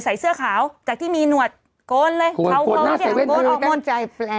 ใส่เสื้อขาวจากที่มีหนวดโกนเลยเผาของเนี่ยโกนออกหมด